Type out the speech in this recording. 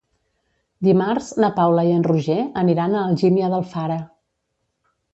Dimarts na Paula i en Roger aniran a Algímia d'Alfara.